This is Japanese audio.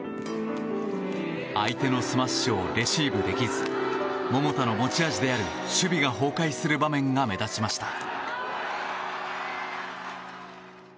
相手のスマッシュをレシーブできず桃田の持ち味である守備が崩壊する場面が目立ちました。